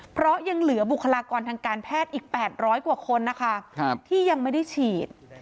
เพราะยังเหลือบุคลากรทางการแพทย์อีก๘๐๐กว่าคนนะคะที่ยังไม่ได้ฉีด